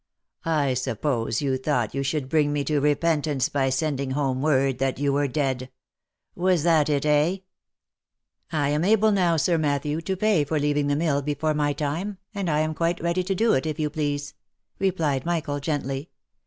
I suppose you thought you should bring me to repentance by sending home word that you were dead. Was that it, eh ?"" I am able now, Sir Matthew, to pay for leaving the mill before my time, and I am quite ready to do it, if you please," replied Michael, gently.